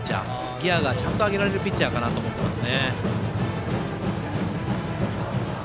ギヤが上げられるピッチャーかと思っています。